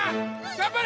頑張れ！